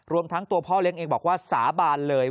รวมทั้งตัวพ่อเลี้ยงเองบอกว่าสาบานเลย